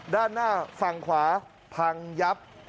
ด้านหน้าฝั่งขวาพังยับ